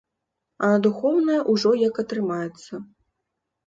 А на духоўнае ўжо як атрымаецца.